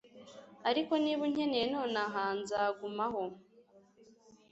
ariko niba unkeneye noneho nzagumaho